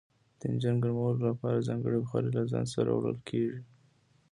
د انجن ګرمولو لپاره ځانګړي بخارۍ له ځان سره وړل کیږي